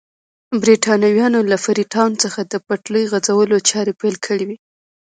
برېټانویانو له فري ټاون څخه د پټلۍ غځولو چارې پیل کړې وې.